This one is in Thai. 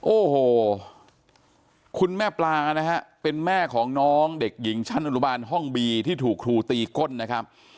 โอ้โหคุณแม่ปลานะฮะเป็นแม่ของน้องเด็กหญิงชั้นอนุบาลห้องบีที่ถูกครูตีก้นนะครับ